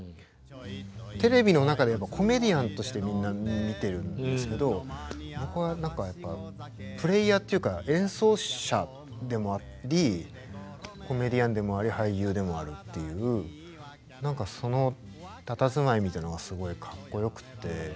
テレビの中でコメディアンとしてみんな見てるんですけど僕はやっぱプレーヤーっていうか演奏者でもありコメディアンでもあり俳優でもあるっていう何かそのたたずまいみたいなのがすごいかっこよくって。